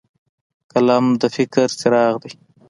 قلم د فکر څراغ دی